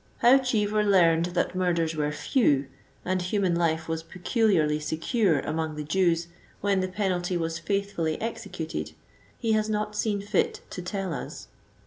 * How Cheever learned that murders were few, and human life was peculiarly secure among the Jews when the penalty was faithfully executed, he has not seen fit to tell us.